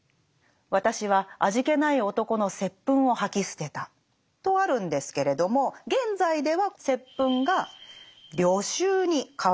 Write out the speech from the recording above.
「私は味気ない男の接吻を吐き捨てた」とあるんですけれども現在では「接吻」が「旅愁」に変わっています。